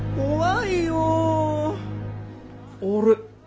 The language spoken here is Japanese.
あれ？